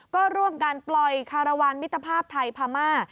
ก็ร่วมกันปล่อยคารวาลมิตรภาพไทยพม่า